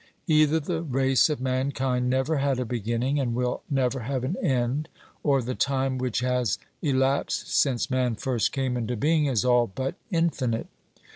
Either the race of mankind never had a beginning and will never have an end, or the time which has elapsed since man first came into being is all but infinite.